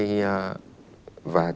vậy thì ở trường đông đô